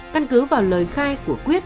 căn cứ vào lời khai của quyết